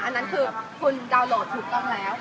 อันนั้นคือคุณดาวนโหลดถูกต้องแล้ว